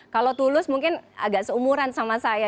kalau tulus mungkin agak seumuran sama saya